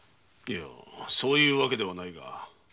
いやそういうわけではないが。